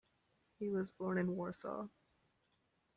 He was born in Warsaw.